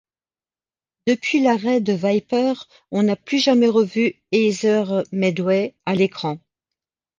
Depuis l'arrêt de Viper, on n'a plus jamais revu Heather Medway à l'écran.